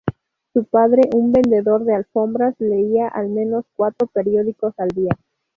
Su padre, un vendedor de alfombras, leía al menos cuatro periódicos al día.